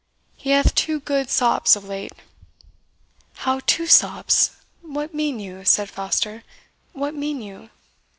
He hath had two good sops of late." "How TWO sops what mean you?" said Foster "what mean you?"